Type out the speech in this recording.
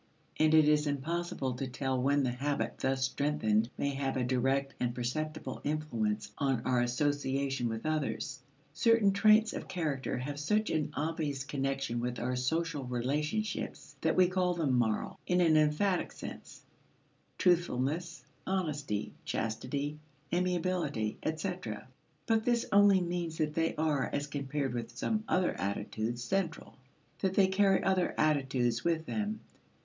And it is impossible to tell when the habit thus strengthened may have a direct and perceptible influence on our association with others. Certain traits of character have such an obvious connection with our social relationships that we call them "moral" in an emphatic sense truthfulness, honesty, chastity, amiability, etc. But this only means that they are, as compared with some other attitudes, central: that they carry other attitudes with them.